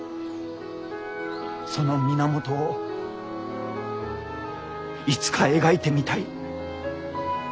その源をいつか描いてみたい。